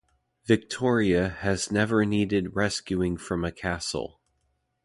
Victoria has never needed rescuing from a castle.